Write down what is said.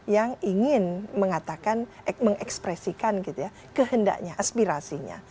yang ingin mengekspresikan kehendaknya aspirasinya